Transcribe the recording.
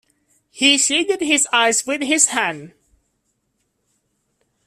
He shaded his eyes with his hand.